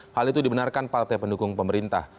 hal itu dibenarkan partai pendukung pemerintah